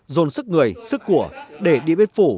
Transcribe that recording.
dồn sức người sức của để điện biên phủ